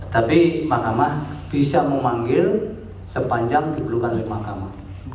tapi mahkamah bisa memanggil sepanjang diperlukan oleh mahkamah